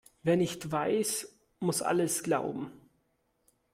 Wer nichts weiß, muss alles glauben.